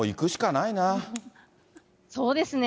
そうですね。